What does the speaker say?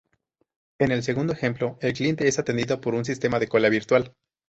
En el segundo ejemplo, el cliente es atendido por un sistema de cola virtual.